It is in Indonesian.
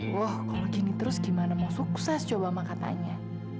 wah kalau gini terus gimana mau sukses coba sama katanya